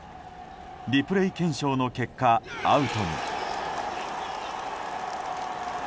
リプレイ検証の結果、アウトに。